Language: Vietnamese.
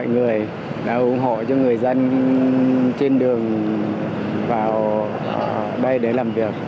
tổng thống đã ủng hộ cho người dân trên đường vào đây để làm việc